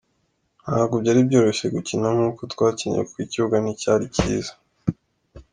Ntabwo byari byoroshye gukina nkuko twakinnye kuko ikibuga nticyari cyiza.